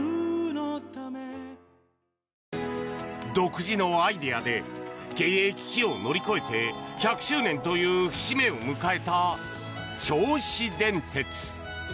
独自のアイデアで経営危機を乗り越えて１００周年という節目を迎えた銚子電鉄。